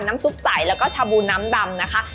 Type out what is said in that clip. น้ำซุปสัยแล้วก็ชาบูน้ำดำนะคะ